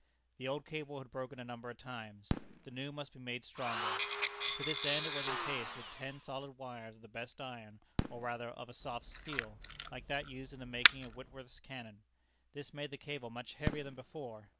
The old cable had broken a number of times. The new must be made stronger. To this end it was incased with ten solid wires of the best iron, or rather, of a soft steel, like that used in the making of Whitworth's cannon. This made the cable much heavier than before.